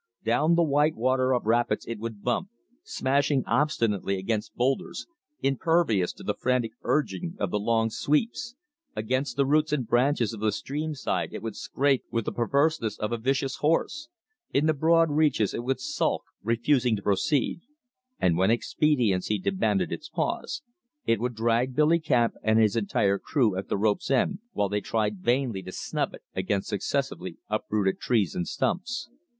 Down the white water of rapids it would bump, smashing obstinately against boulders, impervious to the frantic urging of the long sweeps; against the roots and branches of the streamside it would scrape with the perverseness of a vicious horse; in the broad reaches it would sulk, refusing to proceed; and when expediency demanded its pause, it would drag Billy Camp and his entire crew at the rope's end, while they tried vainly to snub it against successively uprooted trees and stumps.